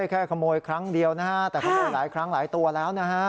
แค่ขโมยครั้งเดียวนะฮะแต่ขโมยหลายครั้งหลายตัวแล้วนะฮะ